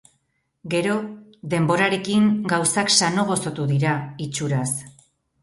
Gero, denborarekin, gauzak sano gozotu dira, itxuraz.